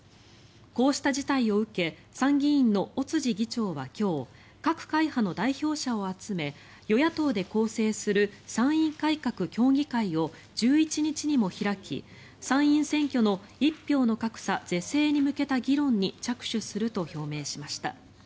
こうした事態を受け参議院の尾辻議長は今日各会派の代表者を集め与野党で構成する参院改革協議会を１１日にも開き参院選挙の一票の格差是正に向けた議論に着手すると表明しました。